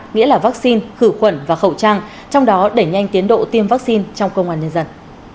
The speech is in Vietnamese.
nghĩa là vaccine khử khuẩn và khẩu trang trong đó đẩy nhanh tiến độ tiêm vaccine trong công an nhân dân